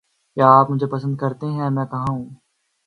کیا آپ مجھے پسند کرتے ہیں؟ میں کہاں ہوں؟